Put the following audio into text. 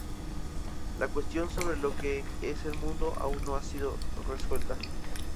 La cuestión sobre lo que es el mundo aún no ha sido resuelta.